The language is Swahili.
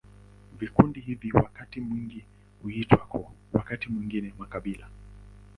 Vikundi hivi wakati mwingine huitwa koo, wakati mwingine makabila.